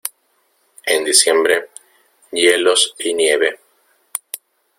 En diciembre, hielos y nieve.